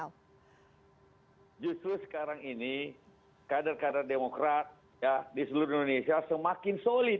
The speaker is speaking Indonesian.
justru sekarang ini kader kader demokrat di seluruh indonesia semakin solid